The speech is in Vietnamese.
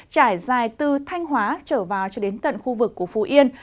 trải dài từ thanh hóa trở vào cho đến tận khu vực của phú yên